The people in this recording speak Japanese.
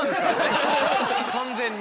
完全に。